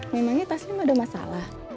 memangnya taslim ada masalah